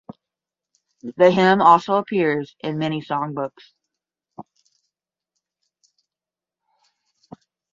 The hymn also appears in many songbooks.